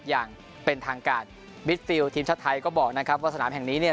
อย่างเป็นทางการบิดฟิลทีมชาติไทยก็บอกนะครับว่าสนามแห่งนี้เนี่ย